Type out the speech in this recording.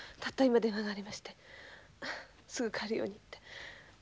たった今電話がありましてすぐ帰るようにって。